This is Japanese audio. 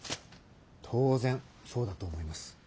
当然そうだと思います。